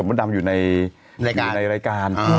ว่ามดดำอยู่ในในรายการ